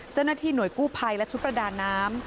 เจ้าหน้าที่หน่วยกู้ภัยและชุดประดาน้ำ